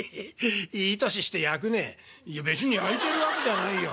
「いや別にやいてるわけじゃないよ。